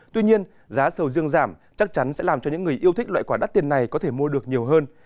tuy nhiên giá sầu riêng giảm chắc chắn sẽ làm cho những người yêu thích loại quả đắt tiền này có thể mua được nhiều hơn